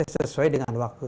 sesuai dengan waktu